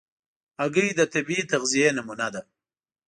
هګۍ د طبیعي تغذیې نمونه ده.